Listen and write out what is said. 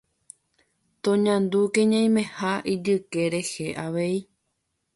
Toñandúke ñaimeha ijyke rehe avei